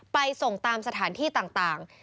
ไปส่งตามสถานที่ต่าง